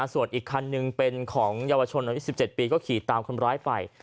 ส่วนอีกคันหนึ่งเป็นของเยาวชนอายุ๑๗ปีก็ขี่ตามคนร้ายไป